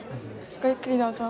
・ごゆっくりどうぞ。